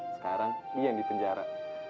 sekarang iya yang dipenjara